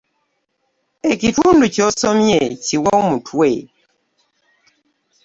Ekitundu ky’osomye kiwe omutwe.